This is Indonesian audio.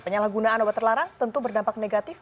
penyalahgunaan obat terlarang tentu berdampak negatif